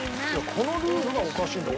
このルールがおかしいんだよ。